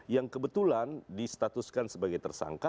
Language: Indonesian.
yang kebetulan di statuskan sebagai tersangka